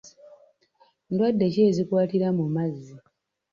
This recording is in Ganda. Ndwadde ki ezikwatira mu mazzi?